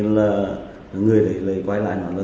lời quay lại là